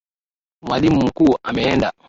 Mwalimu mkuu ameenda.